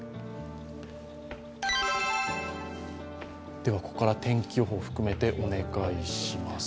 ではここから天気予報含めてお願いします。